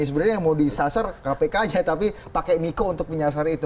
sebenarnya yang mau disasar kpk aja tapi pakai miko untuk menyasar itu